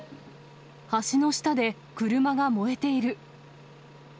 橋の下で車が燃えている。